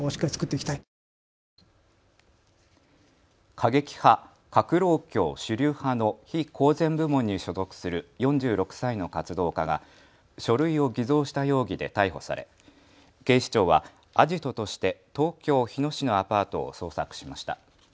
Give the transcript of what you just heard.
過激派、革労協主流派の非公然部門に所属する４６歳の活動家が書類を偽造した容疑で逮捕され警視庁はアジトとして東京日野市のアパートを捜索しました。